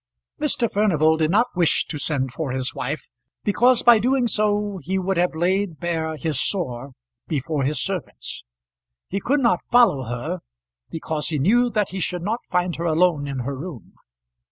Mr. Furnival did not wish to send for his wife, because by doing so he would have laid bare his sore before his servants. He could not follow her, because he knew that he should not find her alone in her room.